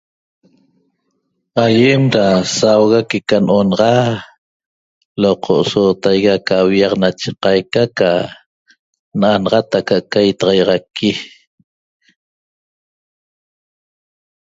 Aÿem da sauga que'eca n'onaxa loqo sootaigui aca'aca aviaq nache qaica ca n'anaxat aca'aca itaxaixaqui